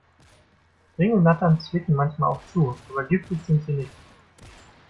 Ringelnattern zwicken manchmal auch zu, aber giftig sind sie nicht.